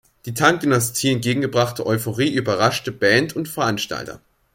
Die Tang Dynasty entgegengebrachte Euphorie überraschte Band und Veranstalter.